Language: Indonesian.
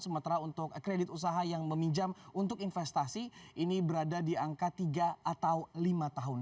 sementara untuk kredit usaha yang meminjam untuk investasi ini berada di angka tiga atau lima tahun